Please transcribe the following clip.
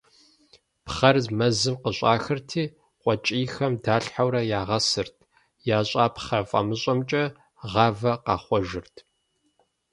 Пхъэр мэзым къыщӏахырти, къуэкӏийхэм далъхьэурэ ягъэсырт, ящӏа пхъэ фӏамыщӏымкӏэ гъавэ къахъуэжырт.